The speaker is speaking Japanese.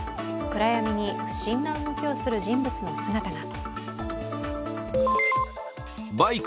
暗闇に不審な動きをする人物の姿が。